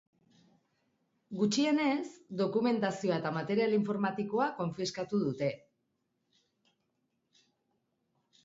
Gutxienez, dokumentazioa eta material informatikoa konfiskatu dute.